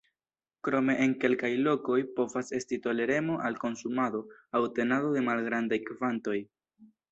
Krome en kelkaj lokoj povas esti toleremo al konsumado aŭ tenado de malgrandaj kvantoj.